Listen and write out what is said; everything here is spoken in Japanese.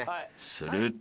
［すると］